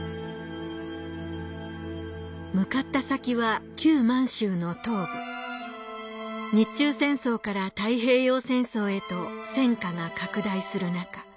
向かった先は満州の東部日中戦争から太平洋戦争へと戦火が拡大する中